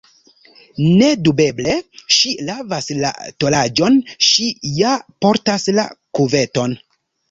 Nedubeble ŝi lavas la tolaĵon, ŝi ja portas la kuveton.